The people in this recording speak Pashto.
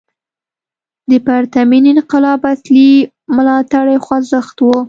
د پرتمین انقلاب اصلي ملاتړی خوځښت و.